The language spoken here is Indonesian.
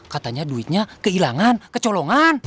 katanya duitnya keilangan kecolongan